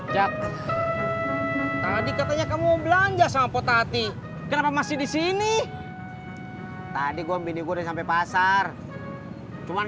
cak tadi katanya kamu belanja sampo tati kenapa masih di sini tadi gua bini gue sampai pasar cuman